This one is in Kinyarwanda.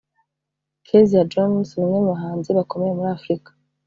Keziah Jones ni umwe mu bahanzi bakomeye muri Afurika